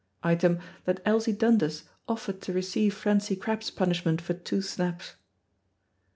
Item, that Elsie Dundas offered to receive Francie Crabb's punishment for two snaps.